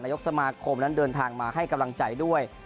ยกสมาคมนั้นเดินทางมาให้กำลังใจด้วย